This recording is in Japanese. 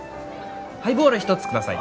ハイボール１つください。